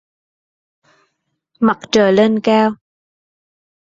Mặt trời lên cao